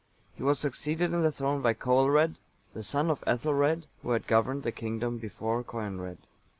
He was succeeded in the throne by Ceolred,(886) the son of Ethelred, who had governed the kingdom before Coenred.